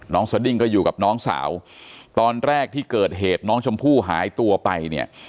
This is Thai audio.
สดิ้งก็อยู่กับน้องสาวตอนแรกที่เกิดเหตุน้องชมพู่หายตัวไปเนี่ย